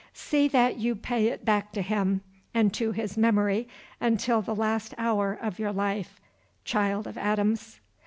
See that you pay it back to him, and to his memory until the last hour of your life, child of Adams."